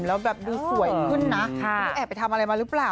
แล้วแบบดูสวยขึ้นนะไม่รู้แอบไปทำอะไรมาหรือเปล่า